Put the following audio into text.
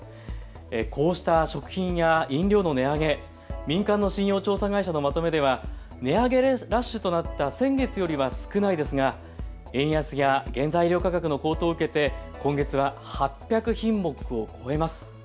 こうした食品や飲料の値上げ、民間の信用調査会社のまとめでは値上げラッシュとなった先月よりは少ないですが円安や原材料価格の高騰を受けて今月は８００品目を超えます。